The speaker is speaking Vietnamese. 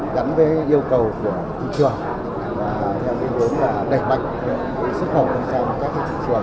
đắn với yêu cầu của thị trường và theo nguyên vốn đẩy mạnh xuất khẩu các thị trường